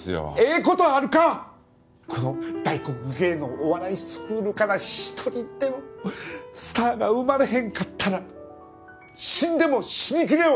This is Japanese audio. この大黒芸能お笑いスクールから一人でもスターが生まれへんかったら死んでも死にきれんわ。